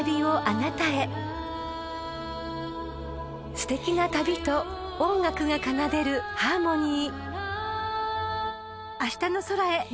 ［すてきな旅と音楽が奏でるハーモニー］